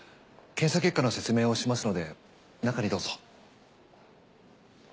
検査結果の説明をしますので中にどうぞ。